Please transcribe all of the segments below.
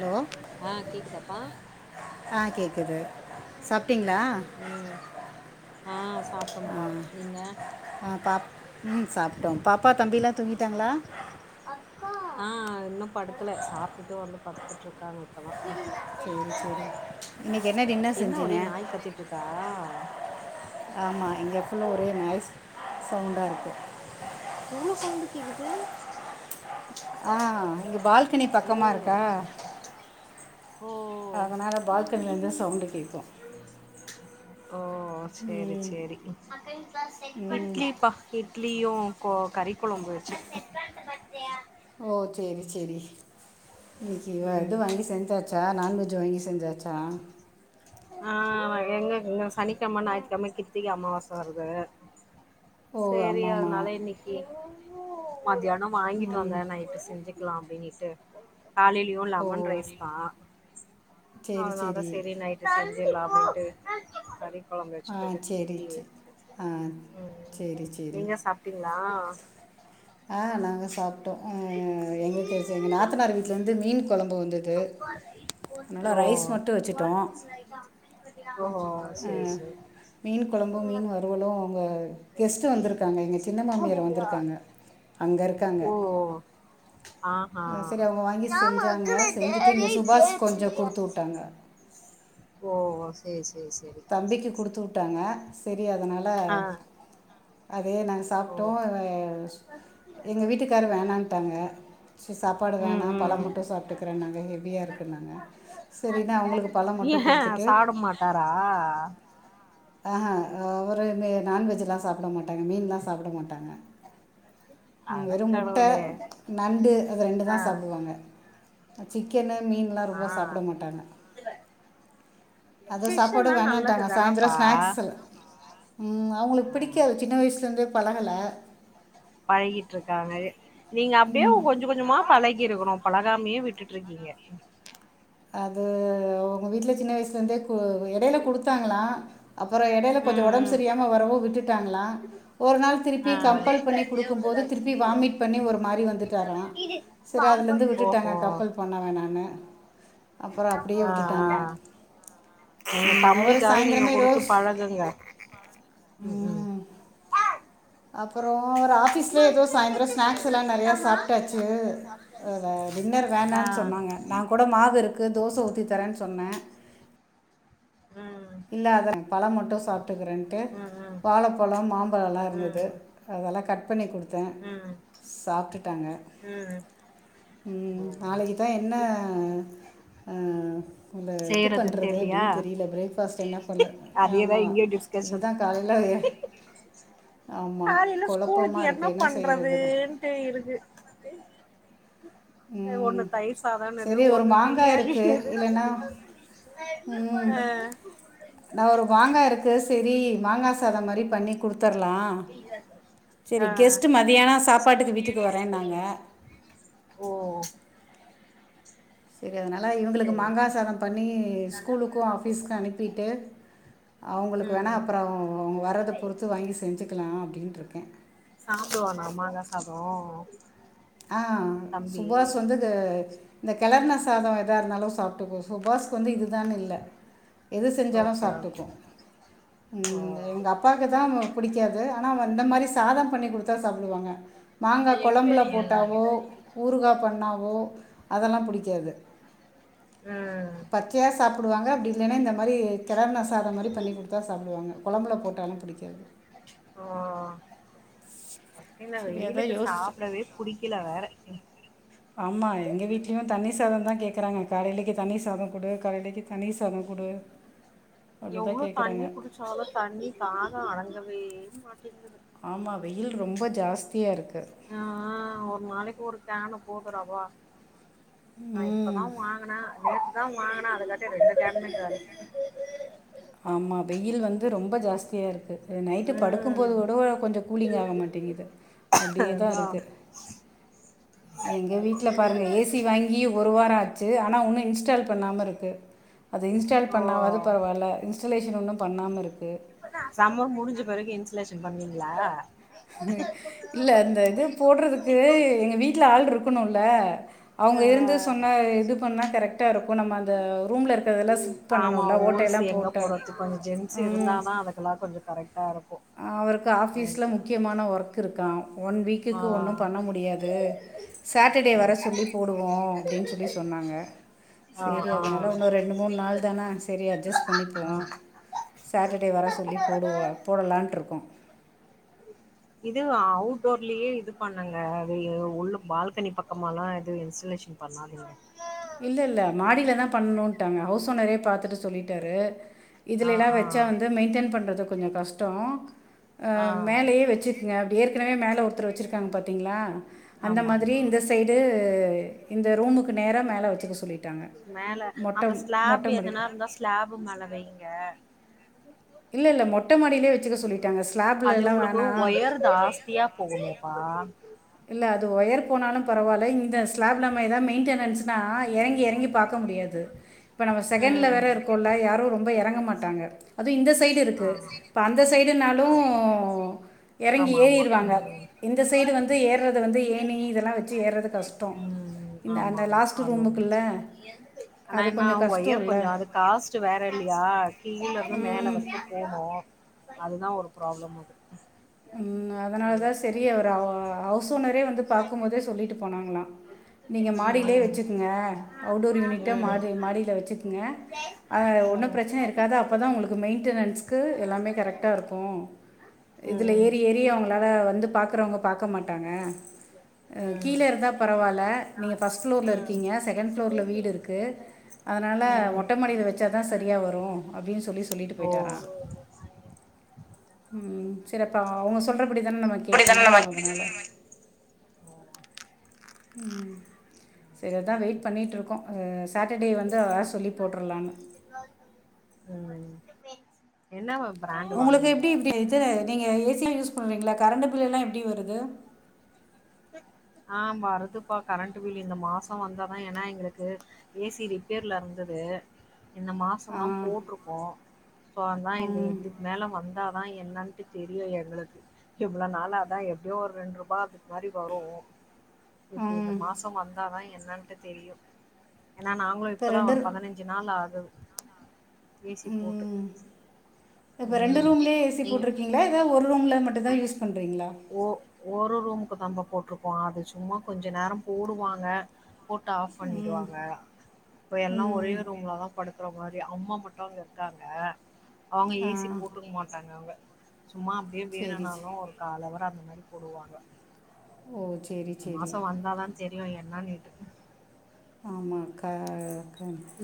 Hello ஆ கேக்குதாப்பா ஆ கேக்குது சாப்ட்டீங்களா ம் ஆ ஆ சாப்ட்டோம்ப்பா நீங்க ஆ பாம் சாப்பிட்டோம் பாப்பா தம்பிலாம் தூங்கிட்டாங்களா ஆஹ் இன்னும் படுக்கல சாப்ட்டுட்டு வந்து படுத்துட்டுருக்காங்க இப்போதா சரி சரி இன்றைக்கி என்ன டின்னர் என்ன செஞ்சீங்க ஒரே நாய் கத்திட்டு இருக்கா ஆமாம் இங்கே ஃபுல்லாக ஒரே நாய்ஸ் சவுண்டாக இருக்குது எவ்ளவு சவுண்டு கேக்குது ஆஹ் இங்க பால் க்கனி பக்கமா ஐயயோ இருக்கா ஓ அதனால் பால்கனிலேருந்து சவுண்டு கேட்கும் ஓ சேரி ம் சேரி ம் இட்லிப் பா இட்லியு இப்போ கறி கொழம்பு வச்ச ஓ சேரி சேரி இன்னக்கு ம் எது வாங்கி செஞ்சாச்சா நான்வெஜ் ஜூ வாங்கி செஞ்சாச்சா ஆஹ் எங்கங்க சனிக்கிழம ஞாயி்த்துக்கிழம கிருத்திக அமாவாச வருது ஓ சரி ஆமாம்மா அதனால இன்னைக்கி மத்தியானோ வாங்கிட் ம் வந்தே நைட்டு செஞ்சுக்லாம் டின்னிட்டு காலலியு ஓ லமன் ரைஸ் தா சரி அதனால சரி செரி நைட் ஞ்சிக்லா அப்டின்ட்டு கறி கொழம்பு ஆ வச்சுட்டு சேரி இட்லி ச் ஆ ம் சேரி சேரி நீங்க சாப்ட்டீங்களா ஆ நாங்க சாப்டோம் ஆ எங்குளுக்கு எங்க நாத்தனார் வீட்லர்ந்து மீன் கொழம்பு வந்துது அதனால ஓ ரைஸ் மட்டு வச்சிட்டோ ஓ ஆ சேரி சேரி மீன் கொலம்பும் மீன் வருவலும் அவுங்க கெஸ்ட்டு வந்துருக்காங்க எங்க சின்ன மாமியாரு வந்துருக்காங்க அங்கருக் காங்க ஓ ஆஹா அ செரி அவுங்க வாங்கி செஞ்சாங்க செஞ்சிட்டு இங்க சுபாஸ்க் கொஞ்சோ குடுத்து உட்டாங்க சுபாசேஸ் தம்பிக்கு குடுத்து உட் ட்டாங்க செரி அதனால ஆ அதே நாங் ஓ சாப்ட்டோம் அ எங்க வீட்டுக்காரு வேனான் டங்க சாப்பாடு ம் வேணா ம் பழம் மட்டு சாப்ட்டுக்குறேன்னாங்க ஹெவியாருக்கு குன்னாங்க செரினு அவுங்ளுக்கு பழோ மட்டு குடுத்துட்டு ஆ ஆஹா அவரு வந்து நான்வெஜுலா சாப்ட மாட்டாங்க மீன்லா சாப்ட மாட்டாங்க ம் வெறும் முட்ட அடக்கடவுளே நண்டு அது ரெண்டு தா ஆ சாப்டுவாங்க அ சிக்கன்னு மீன்லா ஆ ரொம்ப சாப்ட மாட்டாங்க அதா ஃபிஷ் சாப்பாடு எல்லா நல்லது வேணான்டாங்க சாய்ந்தரோ தானப்பா ஸ்நாக்ஸ் ம் அவுங்களுக் ஆ பிடிக்காது சின்ன வயஸ்லருந்தே பலஹல பழகிட்ருக்காங்க நீங்க அப்டியே கொஞ்சோ கொஞ்சோமா பழகிருக்கணு பழகாமயே விட்டுட்ருக்கிங்க அது உங்க வீட்ல சின்ன வயசுலருந்தே கு எடைய்ல குடுத்தாங்ளா அப்புறோ எடையில கொஞ்சோ ம் ஒடம்ப் ம் சரியாம வரவோ விட்டுட் டாங்ளா ஒரு நாள் ஆ திரிப்பி கம்ப்பல் பண்ணி குடுக்கும்போது திருப்பி வாமிட் பண்ணி ஒரு மாறி வந்துட்டாரா செரி அதுலந்து விட்டுட்டாங்க ஓஹோ கம்ப்பல் பண்ண வேணான்னு அப்றோ ஆ அப்டியே ஆ விட்டுட்டாங்க உங்க உம் அவரு தம்பிக்காவது நீங்க சாய்ந்தரமே குடுத்து ரோஸ் பழகுங்க ம் ம் உம் அப்புறோ ஒரு ஆஃபீஸ்ல எதோ சாய்ந்துரோ ஸ்நாக்ஸெல்லா நெறைய சாப்ட்டாச்சி டின்னர் அ வேண்டா ஆ சொன்னாங்க நாங் மாவு இருக்கு தோச ஊத்தி தரன்னு சொன்ன உம் இல்ல அத பழ மட்டு சாப் புட்க்குரேன்னுட்டு ம் ம் வாழப்பழம் மாம்பழம் ம் இருந்தது அதெல்லா கட் தண்ணிய குடுத் தா ம் சாப்ட்டுடாங்க ம் ம் நாளைக்கு தா என்ன அ இந்த இது செய்யறதுன்னு பண்றது தெர்லியா அப்டின் தெரியலா பிரெக் பஸெல்லா தொல்ல அதேதா ஆமா இங்கயு டிஸ்கஷன் இதுதா காலையில எ காலில ஸ்கூலுக்கு என்ன இருக்குது செய்கிறதுன்னு பண்றதூன்ட்டு இருக்கு ம் ஒண்ணு தயிர் சாதொன்னுது சரி ஒரு ஒண்ணு மாங்காய் இருக்குது பிரியாணினுது இல்லைன்னா ஆ நா ஒரு வாங்கா இருக்கு ஸ் செரி மாங்கா சாதம் மாரி பண்ணி குடுத் தர்லா செரி ஆ ஆ கெஸ்ட்டு மத்தியானொ சப்பாட்டுக்கு வீட்டுக்கு வரேன்னாங்க ஓ ங்கனால இவங்களுக்கு சரி மாங்கா சரி. சாதம் பண்ணி ஸ்கூலுக்கு ஆஃபீஸ்கு அனுப்பிட்டு அவுங்களுக்கு வேணா ம் அப்பறோ அவங்க வர்றத பொறுத்து வாங்கி செஞ்சுக்குலா அப்டின்ருக் கே சாப்டுவானா மாங்கா சாதோ ஆ தம்பி சுபாஷ் வந்து க இந்த கெளர்ண சாதோ எதா இருந்தாலு சாப்ட்டுக்கு சுபாஷ்க்கு வந்து இதுதானு இல்ல எது செஞ்சாலு ஓகே ஓகே சாப்ட்டுக்கு ஓ ம் இவுங்க அப்பாக்குதா புடிக்காது ஆனா அவ அந்த மாரி சாதம் பண்ணி குடுத்தா சாப்டுவாங்க மாங்கா கொழம்புல போட் ட்டாவோ ஊறுகா பண்ணாவோ அதெல்லா புடிக் காது ம் பச்சையா சாப்டுவாங்க அப்டி இல்லன்னா இந்த மாரி கெளர்ண சாதம் மாரி பண்ணி குடுத்தா சாப்டுவாங்க கொழம்புல போட்டால்லா புடிக்காது ஓ இந்த சரி அதான் வெயிலுக்கு யோசிச்சு சாப்டவே புடிக்கல வேற சாதொந்தா கேக்குறாங்க காலையிலேக்கி தண்ணி சாதொ குடு காலையிலேக்கி தண்ணி சாதொ குடு எவ்ளோ தண்ணி குடிச்சாலு தண்ணி தாகொ அடங்கவே மாட்டேங்கிது ஆமா வெயில் ரொம்ப ஜாஸ்தியா இருக் கு ஆ [unintelligible] நாளைக்கு ஒரு ஃபேன போடுற வா நா ம் இப்பதா வாங்குன வே ஆமா [unintelligible] ஆமா வெயில் வந் து ரொம்ப ஜாஸ்தியா இருக்கு அ நைட்டு படுக்கும் போது ம் கூடோ கொஞ்சம் கூலிங் ஆக மாட்டிக்கிது அப்டியேதா அதா இருக்கு எங்க வீட்ல பாருங்க ஏ சி வாங்கி ஒரு வாரோ ஆ ச்சு ஆனா உன்னு இன்ஸ்டால் பண்ணாமருக்கு அது இன்ஸ்டால் ஓ பண்ணாவது பரவால்ல ஐசோலேஷன் ஒன்னு பண்ணாம இருக்கு சம்மு முடிஞ்ச பிருகு இ்ன்சுலேச பண்ணீங்ளா இல்ல, அந்த இது போடுறதுக்கு எங்க வீட்டுல ஆள் இருக்கணுல் லா அவங்க ஆ இருந்து சொன்ன இது பண்ணா கரெக்ட்டா இருக்கு நம்ம அத ஆமா ஓல்ஸ் எங்க போட்டு. போடுறது கொஞ்சோ ஜென்ஸ் இருந்தா ம். தா அதுக்கெல்லா கொஞ்சோ கரெக்டா இருக்கு அவருக்கு, ஆபீஸ்ல எனக்கு முக்கியமான ஒர்க் இருக்கு கா ஒன் வீக்குக்கு ஒன்னு ஆ பண்ண முடியாது, சாட்டர்டே ஓகே வர சொல்லி போடுவோ அப்படின் சொல்லி சொன்னாங்க ஆ சரி ஆ அதனால உண்ணு ரெண்டு, மூணு நாள் தானே சரி அட்ஜஸ் பண்ணிப்போ ஆ சாட்டர்டே வர சொல்லி போடுவோ க்காட்ருகோ இது அவுட்டோர்லயே இது பண்ணுங்க அது உள்ள பால்கனி பக்கமாலா இது இன்சுலேஷன் பண்ணாதீங்க இல்லல்ல மாடிலதா பண்ணணுண்ட்டாங்க ஹவுஸ் ஓனரே பாத்துட்டு சொல்லிட்டாரு ஆ இதுலலா ஆ வச்சா வந்து மெயின்டன் பண்றது கொஞ்சோ கஷ்டோ ஆ அஹ மேலயே வச்சுருக்க ஏற்கனவே மேல ஒருத்தர் வச்சுருக்காங்க பாத்தீங்களா அந்த ஆமா மாதிரி ஆமா இந்த சைடு இந்த ரூமுக்கு நேர மேல மொட்டை அந்த ஸ்லாப் மொட்டை மாடி எதனா இருந்தா ஸ்லாப் மேல வைங்க இல்லல்ல மொட்ட மாடிலயே வச்சுக்க சொல்லிட்டாங்க அது ஸ்லாப்லலா உங்களுக்கு வேணா ஒயர் ஜாஸ்தியா போகுமேப்பா அது ஒயர் போனாலு பரவால்ல இந்த ஸ்லாப்ல ந எதாது மெய்ன்டனன்ஸ்னா எறங்கி- எறங்கி பாக்க முடியாது. இப்ப நம்ம செகண்ட்ல வேற ம் இருக்கோம்ல யாரும் ரொம்ப இறங்க மாட்டாங்க அது இந்த சைடு ஆ இருக்கு இப்ப அந்த சைடுனாலும் இறங்கி ஆமா ஆமா ஏறிடுவாங்க இந்த சைடு வந்து ஏறது வந்து ம் ஏனி இதெல்லா வச்சு ஏறது கஷ்டோ ம் இந்த ஆமா அந்த ஆமா லாஸ்ட் அது ஒண்ணு ரூமுக்குள்ள இருக்கு ஆனா அது என்ன கொஞ்சோ க ஒயர் கொஞ்சோ அது காஸ்ட் வேறலயா கீழே இருந்து மேல ம் வரைக்கு போனு அதுதா ப்ராப்ளம் அது உம் அதனாலதா செரி ஒயருக்கு அவரு ஹவுஸ் ஓனரே வந்து பாக்கு போதே சொல்லிட்டு போனாங்கள நீங்க ம் மாடிலே வெச்சுக்ங்க அவுடோர் யூனிட்ட ம் மாடில‌ வெச்சுக்ங்க ம் ஒன்னு ம் பிரச்சன இருக்கது அப்பதா உங்களுக்கு மெயின்டன்ஸ்க்கு எல்லாம கரெக்டா இருக்கு இதுல ஏறி ஏறி அவங்களால வந்து பாக்குறவங்க பாக்க மாட்டாங்க ம் ம் கீழே இருந்தா பரவாயில்ல நீங்கள் ஃபஸ்ட் ம் ஃப்ளோர்ல இருக்கீங்க செகண்ட் ஃப்ளோர்ல வீடு இருக்கு அதனால ம் மொட்டைமாடில வச்ச தா சரியா வரு அப்டின்னு சொல்லி சொல்லிட்டு ஓ போயிட்டாரா சரிப்பா அவங்க சொல்ற அப்டித்தான நம்ம கேட்கணு இப்டித்தான நம்ம அதனால ம் செரி அதா சரி. வெயிட் பண்ணிட்டு இருக்கோ சாட்டர்டே வந்து வர சொல்லி போட்டுருலான்னு ம் என்ன வா உங்களுக்கு எப்படி இப்படி இது நீங்க ஏ சிய யூஸ் பண்றீங்கள்ள கரண்ட் பில்லெல்லா எப்டி வருது ஆ வருதுப்பா கரண்ட் பில் இந்த மாசோ வந்தாதா ஏனா எங்களுக்கு ஏ சி ரிப்பேர்ல இருந்தது இந்த ஆ மாசந்தா போட்டுருக்கோ சோ அதா ம் இதுக்கு மேல வந்தாதா என்னாட்டு தெரியு எங்களுக்கு இவ்வளவு நாளா அதா எப்டியோ ஒரு ரெண்டு ரூபா மாரி வரு இப்ப இந்த ம் மாசோ வந்தாதா என் னன்ட்டு தெரியு ஏனா நாங்களு இப்போ இப்பதா ரெண்டு ஒரு ரூ- பதினஞ்சு நாள் ஆகுது ஏசி போட்டு ம் இப்போ ரெண்டு ம் ரூம்லயே ஏ சி நீங்க போட்டிருக்கீங்களா ஏதா ஒரு ரூம்ல மட்டுந்தா யூஸ் பண்றீங்ளா ஆமா போட்டிருக்கோ அது சும்மா கொஞ்ச நேரோ போடுவாங்க போட்டு ஆஃப் ம் பண்ணிடுவாங்க இப்ப எல்லா ஒரே ம் ரூம்லதா படு இருகுற மாரி அம்மா மட்டு அங்க இருக்காங்க அவுங்க ஆ ஏ சி போட்டுக்க மாட்டாங்க அவுங்க சும்மா அப்படியே சரி வேணுனாலு சரி ஒரு கால் அவர் அந்த மாரி போடுவாங்க ஓ செ மாசோ வந்தாதா தெரியு என்னனு ஆமா க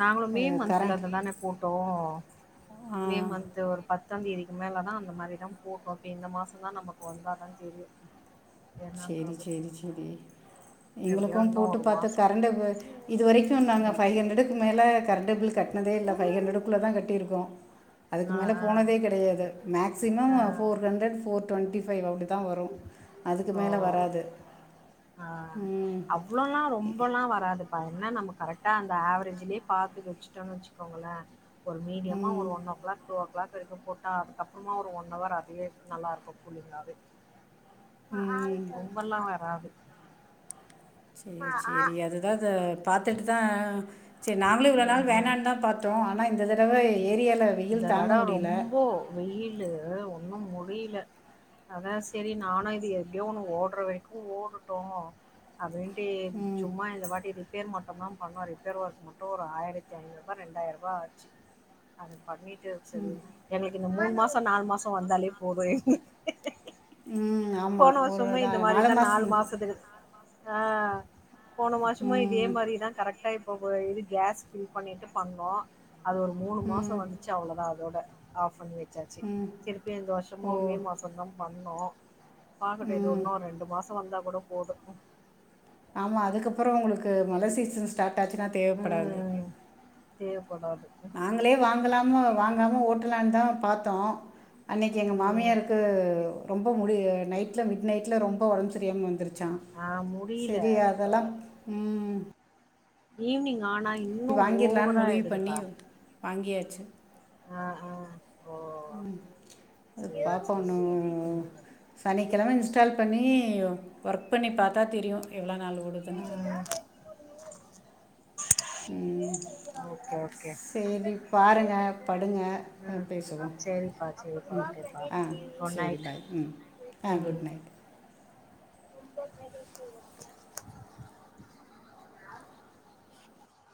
நாங்களு மே மந்த்ல கரண்ட் அததானே போட்டோ ஆ மே மன்த் ஒரு பத்தாந் தேதி இனி மேலதா அந்த மாரிதா போட்டோ இப்ப இந்த மாசந்தா நமக்கு வந்தாதா தெரியு சேரி என்னன்றது சேரி சேரி எப்டியோ எங்களுக்கும் இன்னு போட்டு ஒரு பாத்து மாசோ கரண்ட்டு இதுவரைக்கு நாங்க ஃப்வைவ் ஹண்டரடுக் கு மேல கரண்ட்டு பில் கட்னதே இல்ல ஃவைவ் ஹண்ரட்குள்ளதா கட்டி இருக் கோ அதுக்கு ஆ மேல போனதே ஆ கெடையாது மேக்சிமம் ஆ four hundred four twenty five அப்டிதா வரு ஓ ஆஹ் ம் அவ்ளோல்லா ரொம்பல்லா வராது பா என்ன நம்ம கரெக்டா அந்த ஆவெரேஜ்லயே பாத்து வச்சுட்டோனு வெச்சுக்கோங்களே ஒரு மீடியமா ம் ஒரு one o'clock two clock பெருக்க போட்டா அதுக்கப்பறமா ஒரு ஒன் அவர் அதே நல்லாருக்கூ கூலிங்காவே ம் ரொம்பல்லா வராது சேரி சேரி அதுதா அத பாத்துட்டுதா செரி நாங்ளு இவ்ளோ ம் நாள் ம் வேணான்னு தா பாத்தோ ஆனா இந்த தடவை ம் ஏரியாவில் இந்த வெயில் தாங்க தட முடியல ரொம்போ வெயில்லு ஒன்னூ மூ ரீல அதா செரி நானூ இது எப்டியோ ஒன்னு ஓடுறவரைக்கூ ஓடுட்டூ அப்டின் ட்டு ம் சும்மா இந்த வாட்டி ரிப்பேர் மட் டுந்தா பண்ணோ ரிப்பேர் ஒர்க் மட்டூ ஒரு ஆயிரத்தி ஐநுரூபா ரெண்டாயிரூபா ஆச்சு அது பண்ணிட் ட்டு வச்சது எங்ளுக்கு இந்த மூணு மா சோ நாலு மாசோ வந்தாலே போதூ எங் ம் ஆமாம் போன ஒரு வருஷமூ இந்த நா- மாரிதா நாலு மாதம் மாசத்துக்கு ஆ போன மாசமு இதே ம் மாரிதா கரெக்ட்டா இப் போப இது கேஸ் ஃபில் பண்ணிட்டு பண்ணோ அது ஒரு மூணு மாசோ ம் வந்துச்சு அவ்ளோதா அதோட ஆஃப் பண்ணி சாச்சி ம் திருப்பி இந்த ஓ வருஷமூ மே மாசோந்தா பண் ணோ பாக்கட்டூ இது ம் ஒன்னூ ரெண்டு மாசோ வந்தா கூடப் போதூ ஆமா அதுக்கப்றோ உங்ளுக்கு மழ சீசன் ஸ்டாட் டாச்சினா தேவப்படாது தேவ் நாங்களே வாங்கலாம்னு வாங்காம ஓட்டலான் தா பாத்தோ அன்னைக்கு எங்க ம் மாமியாருக்கு ரொம்ப முடி நைட்ல மிட் நைட்ல ரொம்ப ஒடம்ப் செரியாம வந்துரு ச்சா ஆ முடில செரி அதெல்லா ம் ஈவ்னிங் வாங்கிட்லான்னு முடிவு பண்ணி வாங்கியாச் ச்சு ஆ ஆ ஓ உம் அது பாப்போ இன்னு சனிக்கெழம இன்ஸ்டால் பண்ணி ஒர்க் பண்ணி பாத்தா தெரியு எவ்ளோ நாள் ஓடுதுன்னு ம் உம் ஓகே ஓகே செரி பாருங்க படுங்க அஹ் ம் பேசுவோ சரிப்பா சரிப்பா உம் ஓகேப்பா ஆஹ் குட் செரி நைட் பாய் உம் ஆஹ் ம் குட் நைட்